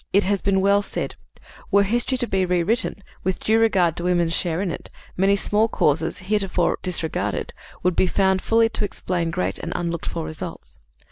It has been well said, "Were history to be rewritten, with due regard to women's share in it, many small causes, heretofore disregarded, would be found fully to explain great and unlooked for results....